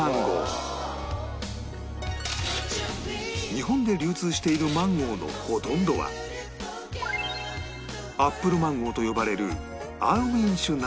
日本で流通しているマンゴーのほとんどはアップルマンゴーと呼ばれるアーウィン種なのだが